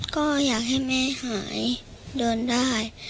ก็อยากให้แม่หายเดินได้